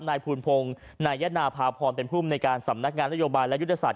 นายภูลพงศ์นายนาภาพรเป็นภูมิในการสำนักงานนโยบายและยุทธศาส